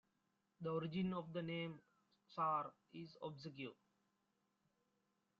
The origin of the name "Czar" is obscure.